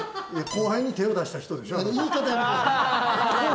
後輩に手を出した人でしょ？